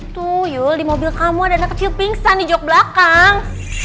tuh yul di mobil kamu ada anak kecil pingsan di jog belakang